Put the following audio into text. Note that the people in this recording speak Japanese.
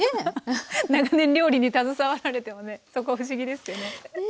長年料理に携わられてもねそこは不思議ですよね。